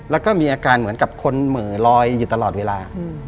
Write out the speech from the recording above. แล้วก็มีอาการเหมือนกับคนเหม่อลอยอยู่ตลอดเวลา